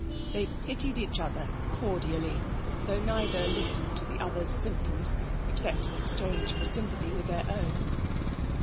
They pitied each other cordially, though neither listened to the other's symptoms, except in exchange for sympathy with their own.